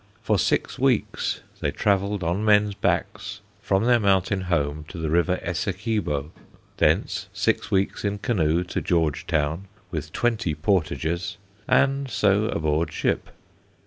For six weeks they travelled on men's backs, from their mountain home to the River Essequibo; thence, six weeks in canoe to Georgetown, with twenty portages; and, so aboard ship.